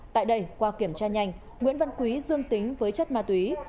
tại đây qua kiểm tra nhanh nguyễn văn quý dương tính với chất ma túy